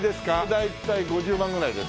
大体５０万ぐらいですか？